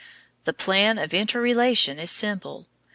The plan of interrelation is simple.